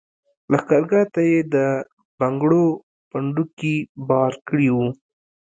لښګرګاه ته یې د بنګړو پنډوکي بار کړي وو.